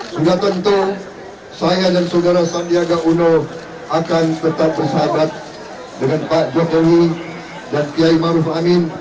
sudah tentu saya dan saudara sandiaga uno akan tetap bersahabat dengan pak jokowi dan kiai maruf amin